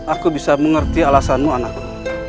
aku bisa mengerti alasanmu anakku